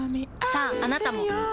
さああなたも。